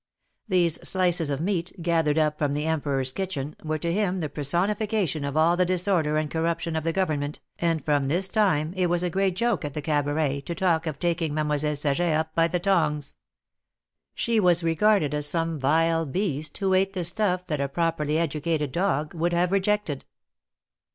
'' These slices of meat, gathered up from the Emperor's kitchen, were to him the personification of all the disorder and corruption of the Government, and from this time it was a great joke at the Cabaret to talk of taking Mademoiselle Saget up by the tongs. She was regarded as some vile beast, who ate the stuff that a properly educated dog would have rejected.